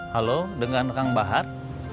halo dengan kang bahar